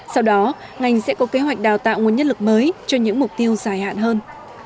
sau đó ngành sẽ có kế hoạch đào tạo nguồn nhân lực mới cho những mục tiêu dài hạn hơn